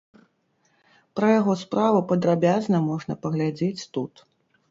Пра яго справу падрабязна можна паглядзець тут.